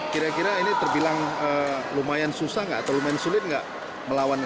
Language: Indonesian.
kira kira ini terbilang lumayan susah nggak atau lumayan sulit nggak melawan